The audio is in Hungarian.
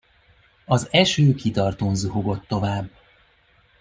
Az eső kitartón zuhogott tovább.